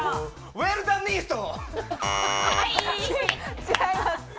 ウェルダンディースト。